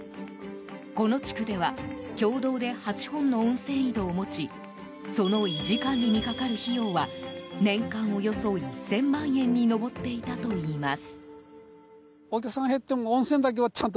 この地区では共同で８本の温泉井戸を持ちその維持管理にかかる費用は年間およそ１０００万円に上っていたといいます。